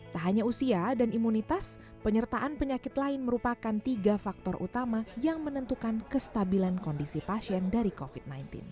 tak hanya usia dan imunitas penyertaan penyakit lain merupakan tiga faktor utama yang menentukan kestabilan kondisi pasien dari covid sembilan belas